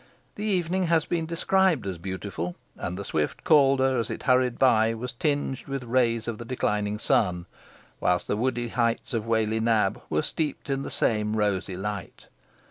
The evening has been described as beautiful; and the swift Calder, as it hurried by, was tinged with rays of the declining sun, whilst the woody heights of Whalley Nab were steeped in the same rosy light.